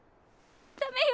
ダメよ